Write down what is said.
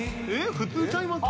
普通ちゃいます？